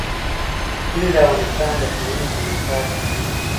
کلي د افغانستان د پوهنې په نصاب کې دي.